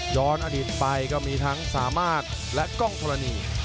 อดีตไปก็มีทั้งสามารถและกล้องธรณี